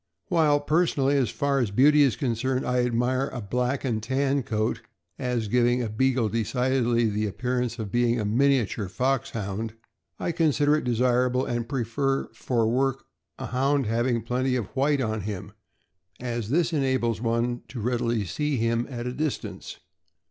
While personally, as far as beauty is concerned, I admire a black and tan coat, as giving a Beagle decidedly the ap pearance of being '' a miniature Foxhound, '' I consider it desirable, and prefer, for work, a Hound having plenty of white on him, as this enables one to readily see him at a distance.